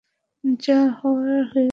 যা হওয়ার হয়ে গেছে।